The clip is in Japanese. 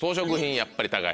やっぱり高い？